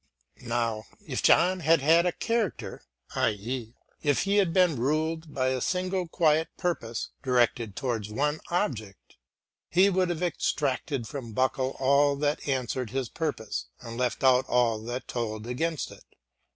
Now, if John had had a character, i.e. if he had been ruled by a single quiet purpose directed towards one object, he would have extracted from Buckle all that answered his purpose and left out all that told against it.